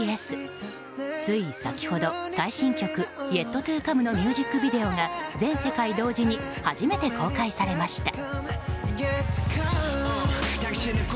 つい先ほど、最新曲「ＹｅｔＴｏＣｏｍｅ」のミュージックビデオが全世界同時に初めて公開されました。